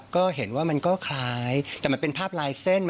ก็เห็นว่ามันก็คล้ายแต่มันเป็นภาพลายเส้น